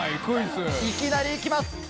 いきなり行きます。